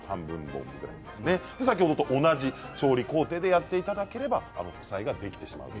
先ほどと同じ調理工程でやっていただければ副菜ができます。